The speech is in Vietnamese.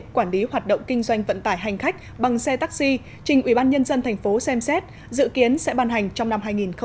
quản lý hoạt động kinh doanh vận tài hành khách bằng xe taxi trên ubnd tp xem xét dự kiến sẽ ban hành trong năm hai nghìn một mươi chín